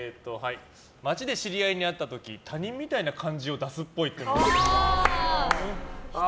街で知り合いに会った時他人みたいな感じを出すっぽい。